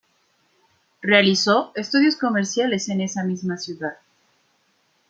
Realizó estudios comerciales en esa misma ciudad.